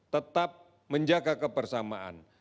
tetap menjaga kebersamaan